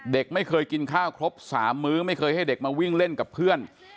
เด็กไม่เคยกินข้าวครบ๓มื้อไม่เคยให้เด็กมาวิ่งเล่นกับเพื่อน